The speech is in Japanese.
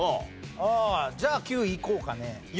じゃあ９位いこうかね。